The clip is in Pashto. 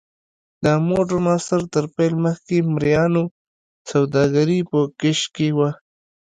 د موډرن عصر تر پیل مخکې مریانو سوداګري په کش کې وه.